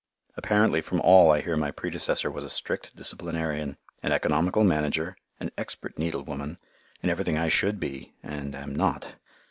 Apparently from all I hear my predecessor was a strict disciplinarian, an economical manager, an expert needlewoman, and everything I should be and am not.